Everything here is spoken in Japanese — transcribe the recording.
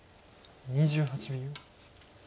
２８秒。